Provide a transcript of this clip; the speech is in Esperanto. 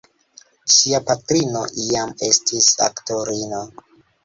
Ŝia patrino iam estis aktorino.